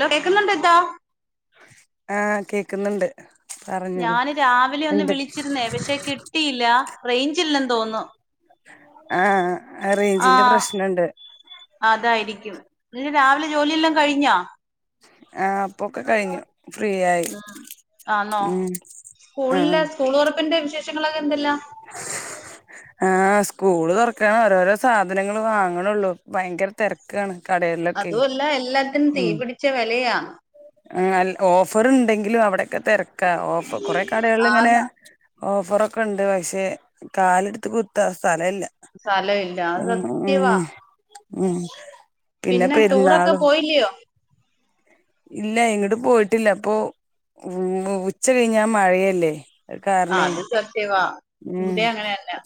Law കേക്കുന്നുണ്ടിത്താ ആഹ് കേക്കുന്നുണ്ട് പറഞ്ഞോളൂ ഞാന് രാവിലെ ഒന്ന് എന്തൊക്കെ വിളിച്ചിരുന്നേ പക്ഷേ കിട്ടിയില്ല റേഞ്ചില്ല തോന്നു. ആഹ് റേഞ്ചിന്റെ ആഹ പ്രശ്നണ്ട് അതായിരിക്കും രാവിലെ ജോലില്ലാം കഴിഞ്ഞാ ആഹ് അപ്പൊക്കെ കഴിഞ്ഞു ഫ്രീ ആയി ഉം ആണോ ഉം ആഹ് സ്കൂളില് സ്കൂൾ തുറപ്പിന്റെ വിശേഷ പ്രങ്ങളൊക്കെ എന്തല്ല ആ് സ്കൂള് തുറക്കാണ് ഓരോരോ സാധനങ്ങൾ വാങ്ങണള്ളൂ ഭയങ്കര തെരക്കാണ് അതല്ല എല്ലാത്തിനും തീപിടിച്ച വിലയാാണ് ആഹ്‌ ഓഫർ ഉണ്ടെങ്കിലും അവിടെ ക്കെ തിരക്കാ ഓഫ് കൊറെേ കടളിലിലിങ്ങനെ ആന്ന് ഓഫറൊക്കെ ഉണ്ട് പക്ഷെ കാലെടുത്ത് കുത്ത സ്ഥലലില്ല സ്ഥല ഇല്ല ആ സത്യവാ ഉം പിന്നെ ടൂറൊക്കെ പോയില്യയോ ഇല്ല ഇങ്ങോട്ട് പോയിട്ടില്ല അപ്പൊ ഉ ഉച്ച കഴിഞ്ഞാ മഴയല്ലേ അത് കാരണേ അത് സത്യവാ ഉം ഇവിടെ അങ്ങനെ തന്നെ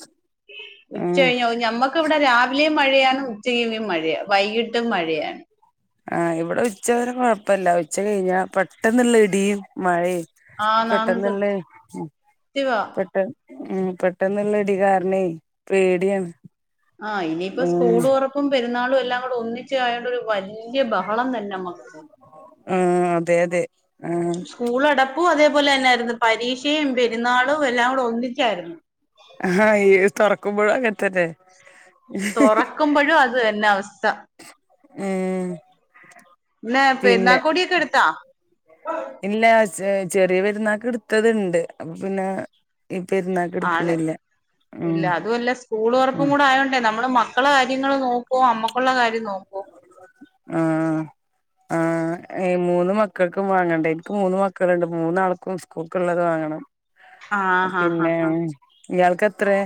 ഉച്ച ഉം കഴിഞ്ഞ ഞമ്മക്ക് ഇവിടെ രാവിലെ മഴയാണ് ഉച്ചകീവിയം മഴയ വൈകിട്ടും മഴയാണ് ആഹ ഇവിടെ ഉച്ച വരെ കൊഴപ്പല്ല ഉച്ച കഴിഞ്ഞാ പെട്ടെന്നുള്ള ഇടിയും മഴയും ആന്നാന്ന് പെട്ടെന്നല്ലേ സത്യവാ പെട്ടെന്ന് ഉം പെട്ടെന്നുള്ള ഇടി കാരണേ പേടിയാണ് ആ ഇനിയിപ്പോ ഉം സ്കൂൾതൊറപ്പും പെരുന്നാളുവെല്ലാം ഒന്നിച്ചായൊണ്ടൊരു വല്ല്യ ബ [unintelligible] നമ്മക്ക് ആഹ് അതെ അതെ ആഹ് സ്കൂള അടപ്പും അതേപോലെ തന്നൊയിരുന്നു പരീക്ഷയും പെരുന്നാളും എല്ലാം കൂടെ ഒന്നിച്ചായിരുന്നു ഹയോ തുറ കുമ്പഴ എത്തെത്തെ തുറക്കുമ്പോഴും അത് തന്നെ അവസ്ഥ ഉം പിന്നെ പെണകടിയക്കെടുത്ത ഇല്ല ച്ച് ചെറിയ പെരുന്നക്ക് എടുത്തത്ണ്ട് അപ്പൊ പിന്നെ ഈ പെരുന്നാക്ക് ആണ് എടുക്കണില്ല ഉം ഇല്ല അതുമല്ല സ്കൂൾ ഉറപ്പും ഉം കൂടെ ആയോണ്ടേ നമ്മള് മക്കളെ കാര്യങ്ങള് നോക്കോ അമ്മക്കുള കാര്യം നോക്കോ ആ ആ മൂന്ന് മക്കൾക്കും വാങ്ങണ്ട എനിക്ക് മൂന്ന് മക്കളുണ്ട് മൂന്നാൾക്കും സ്കൂൾക്കള്ളത് വാങ്ങണം ആഹ് ആഹ് ഹാ ഹാ യാൾക്കത്രേ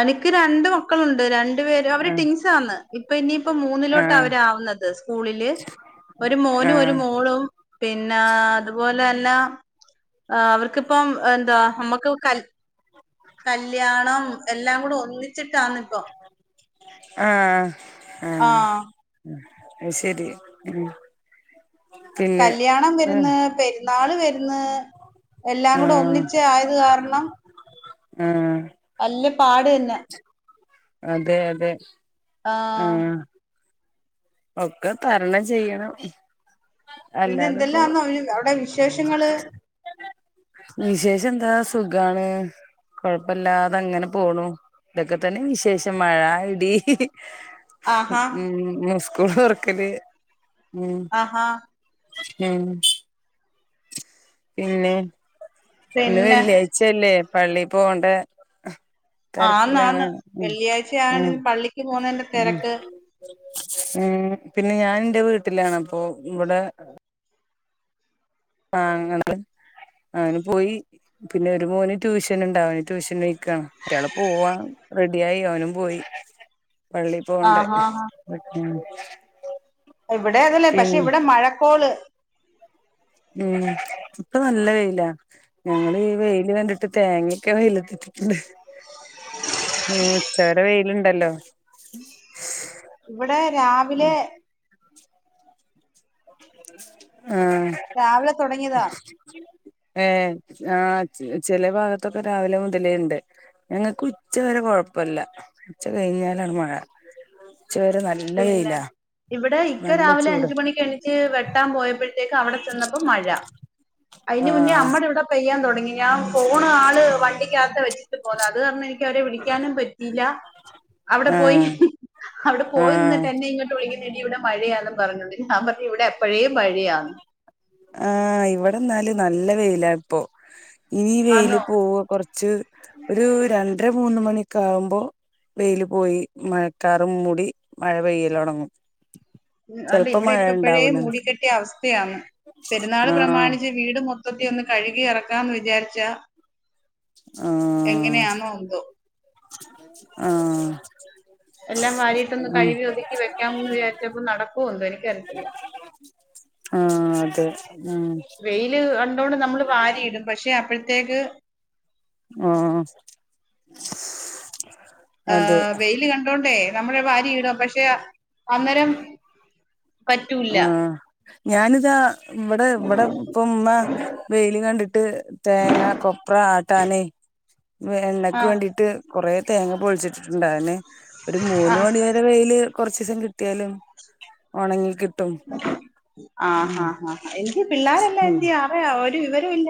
എനിക്ക് രണ്ട് മക്കളുണ്ട് രണ്ട് [unintelligible] അവര് ആഹ് ടിങ്സ് ആണ് ഇപ്പോൾ ഇനി ഇപ്പോ മൂന്നിലോട്ട് ആഹ് അവരവുന്നത് സ്കൂളില് ഒരു മോനും ഒരു ആഹ് മോളും പിന്നെ അതുപോലല്ല ആ അവർക്കിപ്പം എന്താ നമ്മുക്ക് കല് കല്യാണം എല്ലാം കൂടെ ഒന്നിച്ച് ഇട്ടാണ് ഇപ്പൊ ആഹ ആഹ് അയ്ശെരി ഉം പിന്നെ കല്യാണം ആഹ് വരുന്ന് പെരുന്നാൾ വരുന്ന് എല്ലാം കൂടെ ആഹ് ഒന്നിച്ച് ആയത് കാരണം ആഹ് നല്ല പാട് തന്ന അതെ അതെ ആഹ ആഹ് ഒക്കെ തരണം ചെയ്യണം പിന്നെ അല്ലാതെപ്പോ എന്തെല്ലാംന്നോ അവിടെ വിശേഷങ്ങള് വിശേഷം എന്താ സുഖാണ് കൊഴപ്പല്ലാതെ അങ്ങനെ പോണു ഇതൊക്കെ തന്നെ വിശേഷം മഴ ഇടി ആഹാ ഉം കൂളൊർക്കല് ആഹാ ഉം പിന്നെ ഇന്ന് പിന്നെ വെള്ളിയാഴ്ച്ചല്ലേ പള്ളി പോവണ്ടേ തിരക്കിലാണ് ആന്നാന്ന് ഉ ഉ വെള്ളിയാഴ്ചയാണ് പള്ളിക്ക് പോകുന്നതിന്റെ ഉ തിരക്ക് ഉം പിന്നെ ഞൻ എന്റെ വീട് ത്തിലാണ്പ്പൊ ഇവിടെ ആ അങ്ങനെലെ ആഓന് പോയി പിന്നെ ഒരു മോന് ട്യൂഷൻ ഉണ്ടാവേ ട്യൂഷൻ കൈ [unintelligible] ഒരാൾ പോവാൻ റെ യായി ഓനും പോയി പള്ളി പോവണ്ടേ ആഹാ ഹാ [unintelligible] ഇവിടെ അതല്ലേ പക്ഷെ പിന്നെ ഇവിടെ മഴക്കോള് ഉം ഇപ്പൊ നല്ല വെയിലാ ഞങ്ങൾ ഈ വെയില് കണ്ടിട്ട് തേങ്ങയൊക്കെ വെയിലത്തിട്ടിട്ടുണ്ട് ഉ ഉച്ചവരെ വെയിലുണ്ടല്ലോ ഇവിടെ രാവിലെ [inaudible] രാവിലെ തുടങ്ങിയതാ ഹേ ആ ചില ഭാഗത്തൊക്കെ രാവിലെ മുതലുണ്ട് ഞങ്ങൾക്ക് ഉച്ച വരെ കൊഴപ്പമില്ല ഉച്ച കഴിഞ്ഞാലാണ് മഴ ഉച്ചവരെ നല്ല പിന്നെ വെയിലാ ഇവിടെ ഇക്ക നല്ല രാവിലെ ചൂട് അഞ്ചു മണിക്ക് എഴുന്നേറ്റ് വെട്ടാൻ പോയപ്പോഴത്തേക്ക് അവിടെ ചെന്നപ്പോ മഴ അതിന് മുന്നേ ആഹ് നമ്മടെ ഇവിടെ പെയ്യാൻ തുടങ്ങി ഞാൻ പോകുന്നു ആള് വണ്ടി യാത്ര വെച്ച് പോണം അത് കാരണം എനിക്ക് അവരെ വിളിക്കാനും പറ്റിയില്ല അവിടെ പോയി ആഹ് ഹി പോയി ആഹ് നിന്നിട്ട് എന്നെ ഇങ്ങോട്ട് വിളിക്കുന്നു ഇവിടെ മഴയാണ് പറഞ്ഞത് ഞാൻ പറഞ്ഞു ഇവിടെ എപ്പോഴേ മഴയാന്ന് ആഹ് ഇവിടെ എന്നാലും നല്ല വെയിലാ ഇപ്പോ ഇനി ഈ വെയില് ആന്നോ പോവുക കൊറച്ച് ഉച്ചക്ക് ഒരു രണ്ടര മൂന്ന് മണിഒക്കെ ആകുമ്പോൾ വെയില് പോയി മഴക്കാറും മൂടി മഴ പെയ്യൽ തുടങ്ങും ഉ് അല്ലെ ഇവിടെ ഇപ്പഴേ മൂടികിടക്കുവ [unintelligible] അവസ്ഥയാണ് പെരുന്നാള് ആഹ് പ്രമാണിച്ച് വീട് മൊ മൊത്തത്തിൽ ഒന്ന് കഴുകി ഇറക്കാമെന്ന് വിചാരിച്ചാൽ ആഹ ആഹആഹ്ആഹ് എല്ലാം വാരിയിട്ടൊന്ന് കഴുകി ഒതുക്കി വെക്കാന്നു വിചാരിച്ചപ്പോൾ നടക്കുമോ എന്തോ എനിക്കറിയില്ല ആഹ് അതെ ഉം വെയില് കണ്ടോണ്ട് നമ്മള് വാരിയിടും പക്ഷെ അപ്പോഴത്തെ അപ്പോഴത്തേക്ക് ആഹ് ആ അതെ വെയില് കണ്ടോണ്ടേ നമ്മൾ വാരി ഇടും പക്ഷെ അന്നേരം പറ്റൂല്ല ആഹ ഞാനിതാ ഇവിടെ ഇപ്പം ഉമ്മ വെയില് കണ്ടിട്ട് തേങ്ങ കൊപ്ര ആട്ടാന് എണ്ണക്ക് ആഹ് വേണ്ടിട്ട് കുറേ തേങ്ങ പൊളിച്ചിട്ടിട്ടുണ്ടായിരുന്നു ഒരു മൂന്ന് ആഹ് മണി വരെ വെയില് കുറച്ച ദിവസം കിട്ടിയാലും ഉണങ്ങി കി ആ ഹഹ എങ്കി പിള്ളാരെല്ല ഉം എന്ത്യെ ആര്ടെ [unintelligible] വിവരം ഇല്ല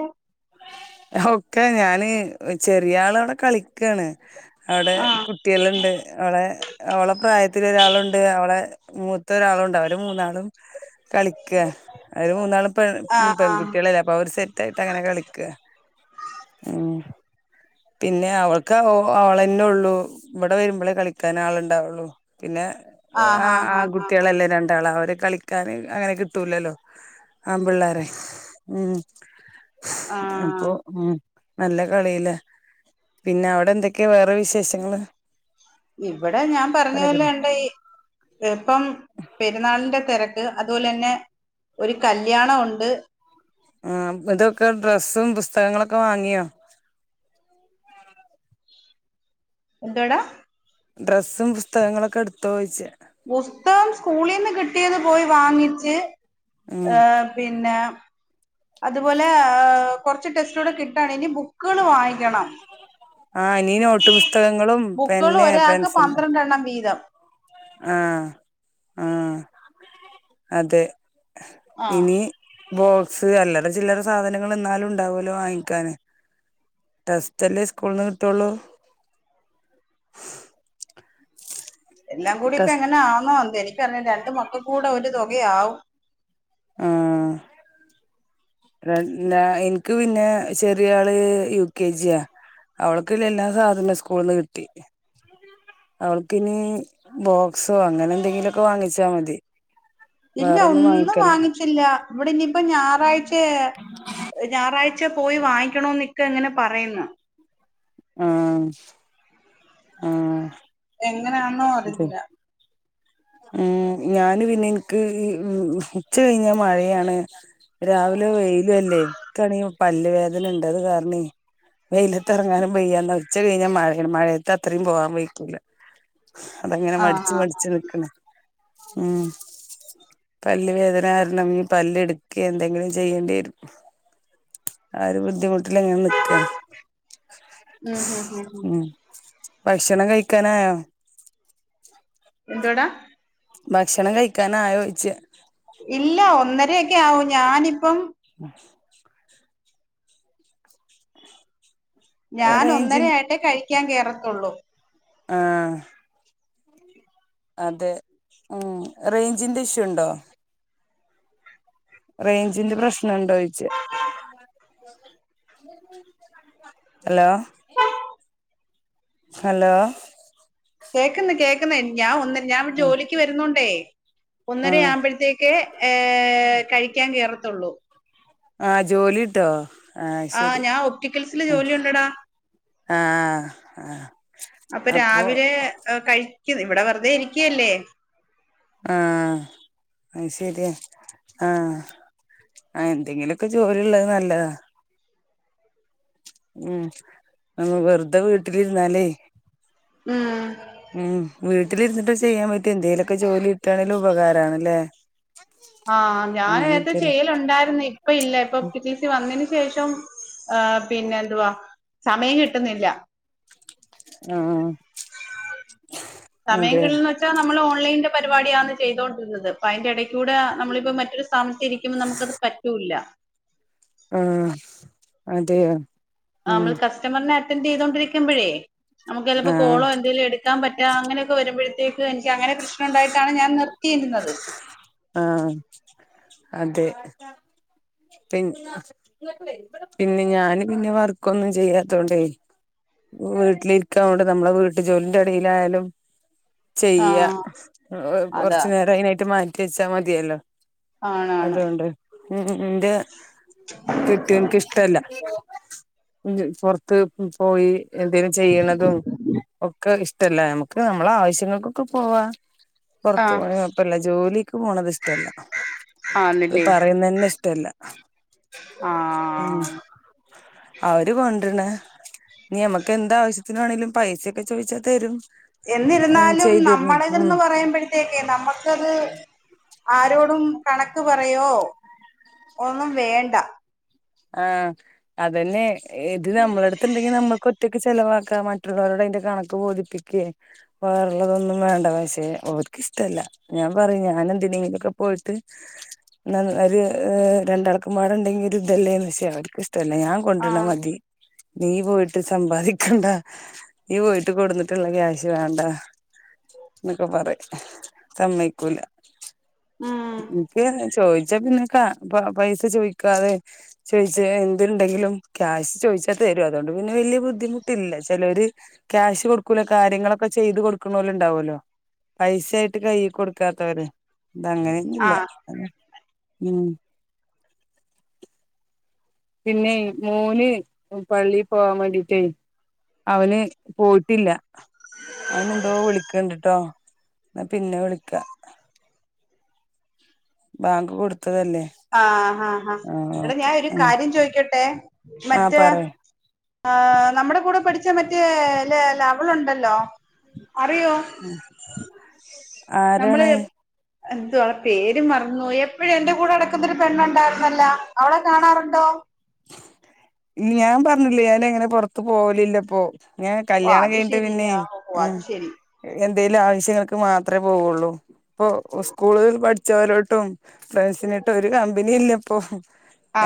ഒക്കെ ഞാന് ചെറിയ ആളോടെ കളിക്കാണ് അവിടെ ആഹ് കുട്ടികളുണ്ട് അവിടെ അവളുടെ പ്രായത്തിൽ ഒരാളുണ്ട് അവടെ മൂത്ത ഒരാളും ഉണ്ട് അവര് മൂന്നാളും കളിക്ക അവർ മൂന്നാളും പെ ആഹ് പെൺകുട്ടികളല്ലേ അപ്പൊ അവര് സെറ്റ് ആയിട്ട് അങ്ങനെ കളിക്ക ഉ പിന്നെ അവൾക്ക് അവളന്നെ ഉള്ളു ഇവിടെ വരുമ്പോളേ കളിക്കാൻ ആളുണ്ടാവുള്ളൂ പിന്നെ ആഹ് ആ ആഹ് ആഹ് ആ ആഹ് ആഹ് കുട്ടികളെല്ലാം രണ്ടാൾ അവര കളിക്കാന് അങ്ങനെ കിട്ടൂലല്ലോ ആൺപിള്ളേരെ ആഹ ഉം നല്ല കളില്ല പിന്നെ അവിടെ എന്തൊക്കെയാ വേറെ വിശേഷങ്ങള് ഇവിടെ ഞാൻ പറഞ്ഞ പോലെ എണ്ട് ഈ ഇപ്പം പെരുന്നാളിന്റെ തിരക്ക് അതുപോലെ തന്നെ ഒരു കല്യാണം ഉണ്ട് ആ അപ്പോതോക് ഡ്രസ്സും പുസ്തകങ്ങളൊക്കെ വാങ്ങിയോ എന്താടാ ഡ്രസ്സും പുസ്തകങ്ങളൊക്കെ എടുത്തോ ചോഴിച്ച പുസ്തകം സ്കൂളിൽന്ന് കിട്ടിയത് പോയി വാങ്ങിച്ച് ഉം ഏഹ പിന്നെ അത് പോലെ കൊറച്ച് ടെസ്റ്റ് കിട്ടാണ് ഇനി ബുക്കുകള് വാങ്ങിക്കണം ആ ഇനി നോട്ട് പുസ്തകങ്ങളും ബുക്കുകൾ പിന്നെ ഒരാൾക്ക് പെൻസില് പന്ത്രണ്ടെണ്ണം വീതം ആഹ ആഹ അതെ ആഹ് ഇനി ബോക്സ് അലറ ചില്ലറ സാധനങ്ങൾ എന്നാലും ഉണ്ടാവല്ലോ വാങ്ങിക്കാാന് ടെസ്റ്റ്ല്ലേ സ്കൂളന്ന് കിട്ടുള്ളൂ എല്ലാം കൂടി ഇപ്പ ടെസ് എങ്ങനെയാണെന്നോ എ രണ്ട് മകൾക്ക് കൂടെ ഒരു തുകയാവും ആ എനിക്ക് പിന്നെ ചെറിയ ആള് യു കെ ജിയാ അവളക്കല്ല എല്ലാ സാധന സ്കൂളന്ന് കിട്ടി അവൾക്ക് ഇനി ബോക്സോ അങ്ങനെ എന്തെങ്കിലുമൊക്കെ വാങ്ങിച്ചാ മതി ഇല്ല വേറൊന്നും ഒന്നും വാങ്ങിക്കല്ല വാങ്ങിച്ചില്ല ഇവിടെ ഇനി ഇപ്പൊ ഞായറാഴ്ച ഞായറാഴ്ച പുറത്ത് പോയി വാങ്ങിക്കണോ നിക്ക ഇങ്ങനെ പറയുന്നു ആഹ ആഹ് അങ്ങനാന്നോ അതെ അറിയില്ല ഉം ഞാന് പിന്നെ എനിക്ക് ഉച്ച കഴിഞ്ഞാൽ മഴയാണ് രാവിലെ വെയിലല്ലേ എക്കണ പല്ല് വേദന ഉണ്ട്ത് കാരണ വെയിലത്ത്റങ്ങാനും വയ്യ എന്നാ ഉച്ച കഴിഞ്ഞാൽ മഴയാണ് മഴയത്തെ അത്രയും പോകൻ പെയയിക്കൂല അതങ്ങനെ മടിച്ച് ആഹ് ആഹ് മടിച്ച് ഉം പല്ലുവേദന കാരണം പല്ലെടുക്കെ എന്തെങ്കിലും ചെയ്യേണ്ടി വരും ആ ഒരു ബുദ്ധിമുട്ട് വീട്ടില എങ്ങെനുക്കാ ഉം ഉം ഉം ഉം ഉ [unintelligible] ഭക്ഷണം കഴിക്കാനായോ എന്തോടാ ഭക്ഷണം കഴിക്കാൻ ആയോയിച്ചേ ഇല്ല ഒന്നേരെക്കെ ആവുഞാനിപ്പം ഉഹ [inaudible] ഞാൻ ഒന്നര റേഞ്ചിൻ ആയിട്ടേ കഴിക്കാൻ കേറു ഉള്ളൂ ആഹ അതെ ഉ റേഞ്ചിന്റെ ഇഷ്യു ഉണ്ടോ റേഞ്ചിന്റെ പ്രശ്നുണ്ടോ ചോയിച്ച ഹലോ ഹലോ കേക്കുന്ന് കേക്കുന്നെ ഞാൻ ഒന്നി ഞാൻവിടെ ജോലിക്ക് വരുന്നുണ്ടേ ആ ആ ഒന്നര ആവുമ്പോഴത്തേക്ക് ഏ കഴിക്കാൻ കേറോ ത്തള്ളൂ [unintelligible] ആഹ ജോലിട്ടോ ആ അയ്ശരി ഞാൻ ഒപ്റ്റിക്കൽസിൽ ജോലിയുണ്ടടാ ആ ആ ആ അപ്പൊ കഴിക്ക ഇവിടെ വെറുതെ ഇരിക്കല്ലേ ആഹ അ ശരിയാ ആഹ ആ എന്തെങ്കിലുമൊക്കെ ജോലിള്ളത് നല്ലതാ ഉം നമ്മ വെറുതെ വീട്ടിലിരുന്നാലേ ഉം ഉം വീട്ടിലിരുന്നിട്ട് ചെയ്യാൻ പറ്റിയെ എന്തേലും ക്ക് ജോലി ഇട്ടണെലും ഉപകാരണല്ലേ ആഹ ഞാൻ നേരത്ത ചെയ്യലുണ്ടായിരുന്നു ഇപ്പ ഇല്ല ഇപ്പൊ പിടി സി വന്നെൻ ച്ച ശേഷം പിന്നെ എന്തുവാ സമയം കിട്ടുന്നില്ല ആ സമയം അതെ കിൽന്ന് വെച്ചാ നമ്മൾ ഓൺലൈൻ പരിപാടിയാണ് ചെയ്തോണ്ടിരുന്നത് അപ്പയിന്റെടക് കൂടെ നമ്മളിപ്പോ മറ്റൊരു സ്ഥാനത്തിരിക്കുമ്പോ നമുക്കത് പറ്റൂല്ല ആഹ അതെയ ആമ്മൾ കസ്റ്റമറിനെ തെന്തേയുതോണ്ടിരിക്കുമ്പോഴേ നമുക്ക് ചിലപ്പോ ആഹ് കോളോ എന്തേലും എടുക്കാൻ പറ്റ അങ്ങനൊക്കെ വരുമ്പോഴേത് ക്ക് [unintelligible] അങ്ങനെ പ്രശ്ം നുണ്ടായിട്ടാണ് ഞാൻ നിർത്തിയിരുന്നത് ആഹ് അതെ പി പിന്നെ ഞാൻ പിന്നെ വർക്കൊന്നും ചെയ്യാത്തോണ്ടേ വീട്ടിലിരിക്കാ അതൊണ്ട് നമ്മള വീട്ട് ജോലിൻ്റെ ഇടയിലായാലും ചെയ്യ ആഹ് എഹ് അതാ കുറച്ചു നേരായി നെ മാറ്റിവെച്ചാ മതിയല്ലോ ആണാണ് അതുകൊണ്ട് ഉം ഉം ണ്ട് കെട്ടിയോന്ക്ക് ഇഷ്ടല്ല. ജ് പുറത്ത് പോയി എന്തേലും ചെയ്യണതും ഒക്കെ ഇഷ് തല്ലേ നമുക്ക് നമ്മളെ ആവശ്യങ്ങൾക്കൊക്കെ പോവാ പുറത്തു ആഹ് പോണ കുഴപ്പല്ല ജോലിക്ക് പോണത് ഇഷ്ടല്ല അത് ആന്നില്ലേ പറയുന്നന്നെ ഇഷ്ടല്ല ഉം ആഹ് അവര് കൊണ്ട് ര്ണ് ഞ്ഞി നമ്മക്ക് എന്താാവശ്യം ത്തിനാണേലും പൈസൊക്കെ ചോദിച്ചാ തരും എന്നിരുന്നാലും ചെയ്തരും നമ്മടെ ഉം [unintelligible] പറയുമ്പോഴത്തേക്കെ നമുക്കത് ആരോടും കണക്ക് പറയോ ഒന്നും വേണ്ട ആ അതെന്നെ ഏത് നമ്മുടെ അടുത്തുണ്ടെങ്കി നമ്മക്ക് ഒറ്റക്ക് ചെലവാക്കാ മറ്റുള്ളവരോട് അതിന്റെ കണക്ക് ബോധിപ്പിക്കേ വേറൊള്ളതൊന്നും വേണ്ട പശെ ഓർക്ക് ഇഷ്ടല്ല ഞാൻ പറയും ഞാൻ എന്തിനെലൊക്കെ പോയിട്ട് അത് രണ്ടാൾക്കുംപാടണ്ടെങ്കിൽ ഒരു ല്ലേന്ന് ശെ അവർക്ക് ഇഷ് തന്നെ ഞാൻ കൊണ്ടുവരുന്നെ ആഹ് മതി നീ പോയിട്ട് സമ്പാദിക്കണ്ട നീ പോയിട്ട് കൊടുന്നിട്ടുള്ള ക്യാഷ് വേണ്ട ന്നൊക്കെ പറയും സമ്മയിക്കൂല ഉം [unintelligible] ച്ചാ പിന്നെക്കാ പ പൈസ ചോദിക്കാതെ ചോയിച്ചേ എന്തുണ്ടെങ്കിലും ക്യാഷ് ചോദിച്ചാൽ തരും അതുകൊണ്ട് പിന്നെ വല്ല്യ ബുദ്ധിമുട്ടില്ല ചിലര് ക്യാഷ് കൊടുക്കൂലാ കാര്യങ്ങളൊക്കെ ചെയ്തു കൊടുക്കണോരുണ്ടാവൂലോ പൈസയായിട്ട് കൈയിൽ കൊടുക്കാത്തവര്. ഇതങ്ങനെയോന്നുല്ല. ആഹ് ഉം പിന്നെ മോന് പള്ളി പോവാൻ വേണ്ടിട്ടേ അവന് പോയിട്ടില്ല അവനെന്തോ വിളിക്ക്ണ്ട്ട്ടോ എന്നാ പിന്നെ വിളിക്കാ ബാങ്ക് കൊട് ആ ആ ആ എടാ ഓക്കെ ഞാൻ ഒരു ആ കാര്യം ചോയിക്കട്ടെ ആ മറ്റേ പറയ് ആ നമ്മുടെ കൂടെ പഠിച്ച മറ്റേ ലേ ലവളുണ്ടല്ലോ അറിയോ നമ്മള് ആരാണ് എന്തുവാ ആ പേരും മറന്നുപോയി എപ്പോഴും എൻ്റെ കൂടെ നടക്കുന്നൊരു പെണ്ണുണ്ടായിരുന്നല്ലോ അവളെ കാണാറുണ്ടോ? ഞാൻ പറഞ്ഞില്ലേ ഞാൻ അങ്ങനെ പൊറത്ത് പോവലില്ലപ്പോ ഞാ ഓ കല്യാണം അത് കഴിഞ്ഞിട്ട് പിന്നെ ശരിയാ ഓ ഉം അത് ശരി എന്തേലും ആവശ്യങ്ങൾക്ക് മാത്ര പോവുള്ളൂ ഇപ്പൊ സ്കൂളിൽ പഠിച്ചവരോട്ടും ഫ്രണ്ട്സിനട്ടും ഒരു കമ്പനി ഇല്ലപ്പോ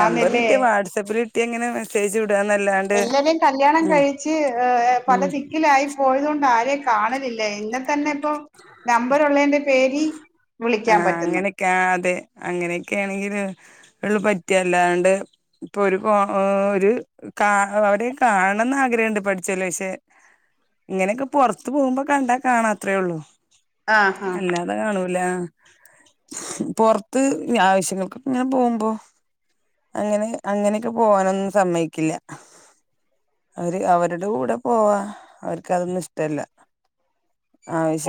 നമ്പർ കിട്ടിയ വാട്സ്ആപ്പിൽ ഇട്ടി എങ്ങനെ മെസ്സേജു എല്ലരെയും കല്യാണം കഴിച്ച് പല ഉം ദിക്കിലായി പോയത് കൊണ്ട് ആരെയൊക്കെ കാണലില്ലേ ഇന്നലെ തന്നെ ഇപ്പോ നമ്പറുള്ളതിന്റെ പേര് വിളിക്കാൻ ആഹ് പറ്റുന്നു അങ്ങനെയൊക്കെ ആ ഉളൂ പറ്റ അല്ലാണ്ട് ഇപ്പൊ ഒരു ഒരു കാഅവരെ കാണണംന്ന് ആഗ്രഹണ്ട് പഠിച്ചോലെ പക്ഷെ ഇങ്ങനെയൊക്കെ പുറത്ത് പോവുമ്പൊ കണ്ടാ കാണാ അത്രേ ഉള്ളു ആ ആ അല്ലാതെ കാണൂല പൊറത്ത് ആവശ്യങ്ങൾക്കൊക്കെ ഇങ്ങനെ പോകുമ്പോ അങ്ങനെ അങ്ങനെയൊക്കെ പോവാനൊന്നും സമ്മയ്ക്കില്ല അവര് അവരുടെ കൂടെ പോവാ അവർക്ക് അതൊന്നും ഇഷ്ടല്ല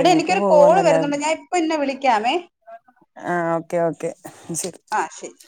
എടാ എനിക്കൊരു കോള് പോവന്നല്ലാ വരുന്നുണ്ട് ഞാൻ ഇപ്പൊ നിന്നെ വിളിക്കാമേ ആഹ് ഓക്കെ ഓക്കെ ശരി ആഹ് ശരി